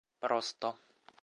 просто